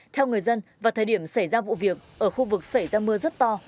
theo người dân vào thời điểm xảy ra vụ việc ở khu vực xảy ra mưa rất to